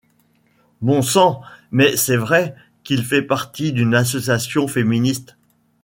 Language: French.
Bon sang mais c’est vrai qu’il fait partie d’une association féministe !